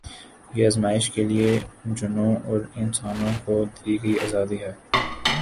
یہ آزمایش کے لیے جنوں اور انسانوں کو دی گئی آزادی ہے